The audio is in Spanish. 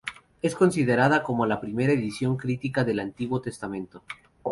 Es considerada como la primera edición crítica del Antiguo Testamento.